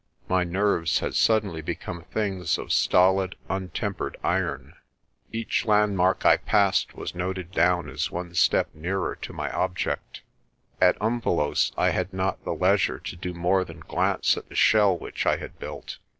My nerves had suddenly become things of stolid, untempered iron. Each landmark I passed was noted down as one step nearer to my object. At Umvelos' I had not the leisure to do more than glance at the shell which I had built.